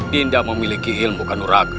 binda memiliki ilmu kanur agama